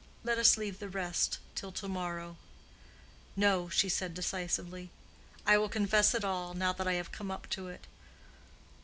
Let us leave the rest till to morrow." "No," she said decisively. "I will confess it all, now that I have come up to it.